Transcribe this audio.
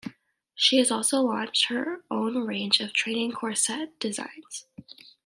She has also launched her own range of Training Corset designs.